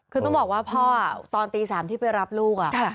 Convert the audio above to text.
คือต้องบอกว่าพ่อตอนตี๓ที่ไปรับลูก